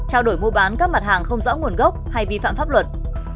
trao đổi mua bán các mặt hàng không rõ nguồn gốc hay vi phạm pháp luật